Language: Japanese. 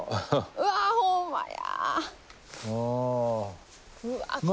うわほんまや。